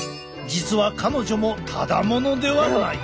実は彼女もただ者ではない。